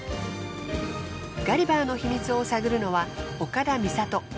ガリバーの秘密を探るのは岡田美里。